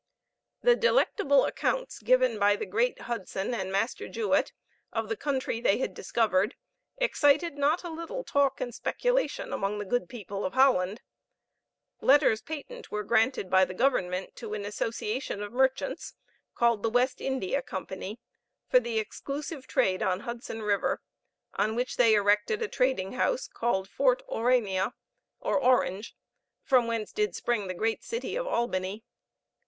The delectable accounts given by the great Hudson and Master Juet of the country they had discovered excited not a little talk and speculation among the good people of Holland. Letters patent were granted by Government to an association of merchants, called the West India Company, for the exclusive trade on Hudson River, on which they erected a trading house called Fort Aurania, or Orange, from whence did spring the great city of Albany.